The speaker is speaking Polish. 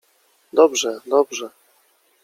— Dobrze! dobrze!